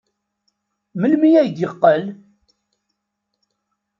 Melmi ay d-yeqqel?